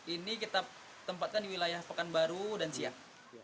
ini kita tempatkan di wilayah pekanbaru dan siak